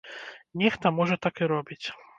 Нехта, можа, так і робіць.